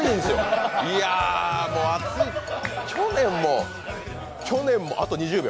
いや、去年もあと２０秒！